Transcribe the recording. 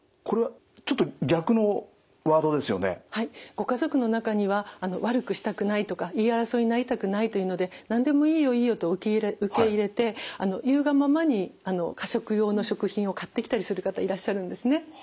ご家族の中には悪くしたくないとか言い争いになりたくないというので何でも「いいよいいよ」と受け入れて言うがままに過食用の食品を買ってきたりする方いらっしゃるんですね。